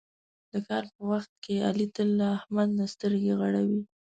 د کار په وخت کې علي تل له احمد نه سترګې غړوي.